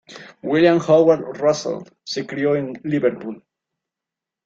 William Howard Russell se crio en Liverpool.